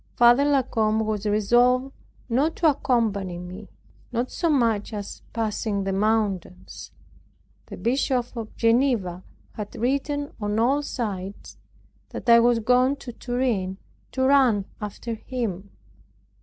Father La Combe was resolved not to accompany me, not so much as passing the mountains. The Bishop of Geneva had written on all sides that I was gone to Turin to run after him.